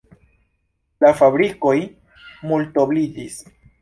La fabrikoj multobliĝis.